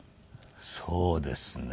そうですね。